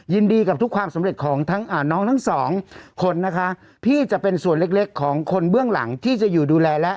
ยินดีกับทุกความสำเร็จของทั้งน้องทั้งสองคนนะคะพี่จะเป็นส่วนเล็กของคนเบื้องหลังที่จะอยู่ดูแลและ